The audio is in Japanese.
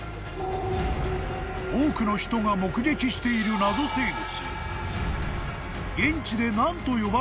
［多くの人が目撃している謎生物］